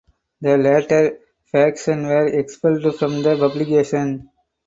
The latter faction were expelled from the publication.